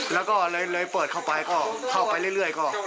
แล้วก็เลยเปิดเข้าไปก็เข้าไปเรื่อยก็